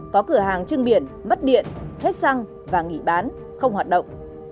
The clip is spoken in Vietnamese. có cửa hàng trưng biển mất điện hết xăng và nghỉ bán không hoạt động